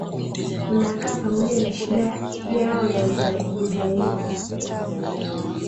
kunakaa pamoja na shida yao ya udhalili